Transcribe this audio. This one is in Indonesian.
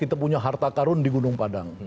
kita punya harta karun di gunung padang